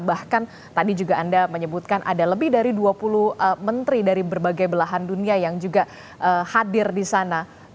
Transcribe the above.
bahkan tadi juga anda menyebutkan ada lebih dari dua puluh menteri dari berbagai belahan dunia yang juga hadir di sana